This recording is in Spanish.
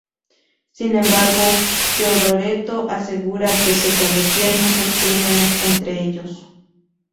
Sin embargo, Teodoreto asegura que se cometían muchos crímenes entre ellos.